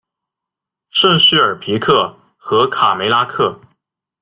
圣叙尔皮克和卡梅拉克。